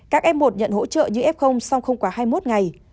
các f một nhận hỗ trợ như f song không quá hai mươi một ngày